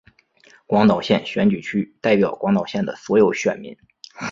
广岛县选举区代表广岛县的所有选民。